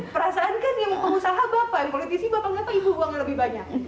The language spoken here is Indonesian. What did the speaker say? perasaan kan memang pengusaha bapak politisi bapak kenapa ibu uangnya lebih banyak